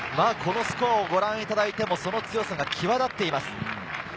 このスコアをご覧いただいても、その強さが際立っています。